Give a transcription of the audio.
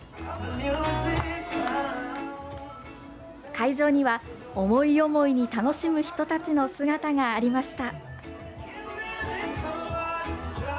会場には思い思いに楽しむ人たちの姿がありました。